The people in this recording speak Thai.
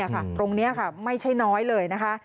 ตรงนี้ไม่ใช่น้อยเลยนะคะ